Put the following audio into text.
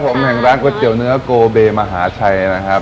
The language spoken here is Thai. ผมแห่งร้านก๋วยเตี๋ยวเนื้อโกเบมหาชัยนะครับ